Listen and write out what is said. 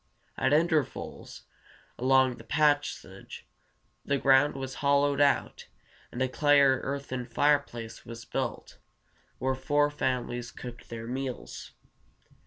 At intervals along the passage the ground was hollowed out, and a clay or earthen fireplace was built, where four families cooked their meals.